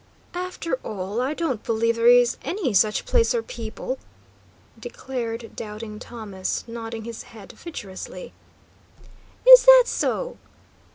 "After all, I don't believe there is any such place or people," declared Doubting Thomas, nodding his head vigorously. "Is that so?"